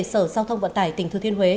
sở giao thông vận tải tỉnh thừa thiên huế